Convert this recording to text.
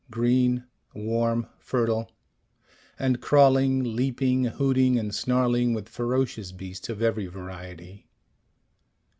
Green, warm, fertile and crawling, leaping, hooting and snarling with ferocious beasts of every variety.